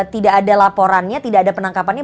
tidak ada laporannya tidak ada penangkapannya